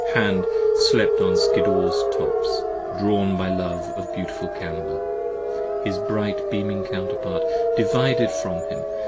Hand slept on Skiddaw's tops, drawn by the love of beautiful Cambel: his bright beaming Counterpart, divided from him.